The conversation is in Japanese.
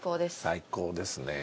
最高ですね。